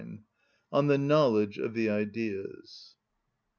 (9) On The Knowledge Of The Ideas.